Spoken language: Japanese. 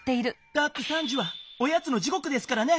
だって３時はおやつの時こくですからね。